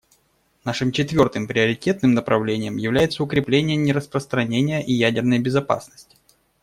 Нашим четвертым приоритетным направлением является укрепление нераспространения и ядерной безопасности.